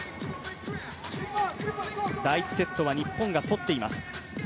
第１セットは日本が取っています。